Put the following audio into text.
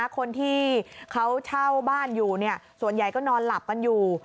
คนที่เขาเช่าบ้านอยู่ส่วนใหญ่ก็นอนหลับกันอยู่